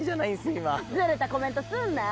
今ズレたコメントすんなよ